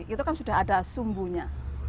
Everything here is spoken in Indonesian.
itu kan sudah ada sumbunya